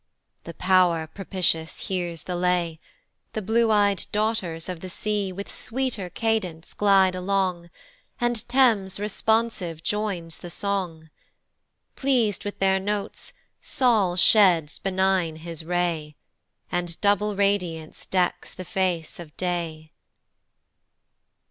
The Pow'r propitious hears the lay, The blue ey'd daughters of the sea With sweeter cadence glide along, And Thames responsive joins the song. Pleas'd with their notes Sol sheds benign his ray, And double radiance decks the face of day.